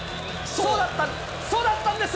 そうだったんです。